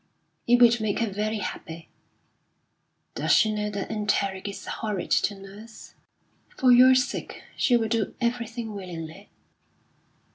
"It would make her very happy." "Does she know that enteric is horrid to nurse?" "For your sake she will do everything willingly."